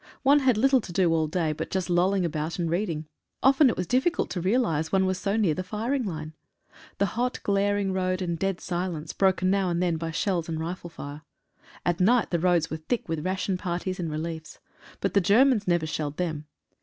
One had little to do all day. but just lolling about and reading. Often it was diffi cult to realise one was so near the firing line. The hot glaring road and dead silence, broken now and then by shells and rifle fire. At night the roads were thick with ration parties and reliefs. But the Germans never shelled them.